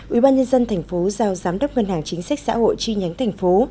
ubnd tp hcm giao giám đốc ngân hàng chính sách xã hội tri nhánh thành phố